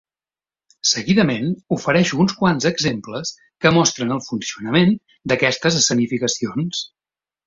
Seguidament, ofereixo uns quants exemples que mostren el funcionament d'aquestes escenificacions.